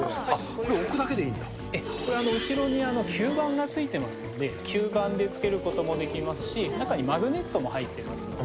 これ、置くだけでいいんだこれ、後ろに吸盤がついてですんで、吸盤でつけることもできますし、中にマグネットも入っていますので、